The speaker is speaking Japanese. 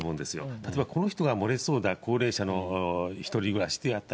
例えばこの人が漏れそうだ、高齢者の１人暮らしであった。